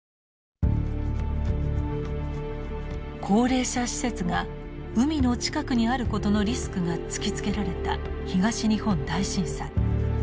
高齢者施設が海の近くにあることのリスクが突きつけられた東日本大震災。